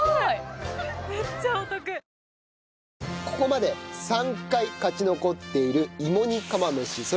ここまで３回勝ち残っている芋煮釜飯。